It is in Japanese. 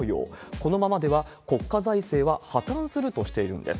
このままでは国家財政は破綻するとしているんです。